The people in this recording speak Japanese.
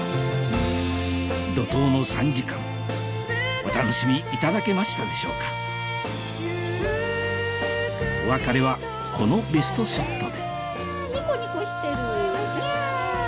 怒濤の３時間お楽しみいただけましたでしょうかお別れはこのベストショットでニコニコしてる！